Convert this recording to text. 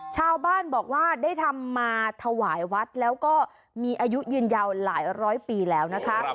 ชาวบ้านบอกว่าได้ทำมาถวายวัดแล้วก็มีอายุยืนยาวหลายร้อยปีแล้วนะคะ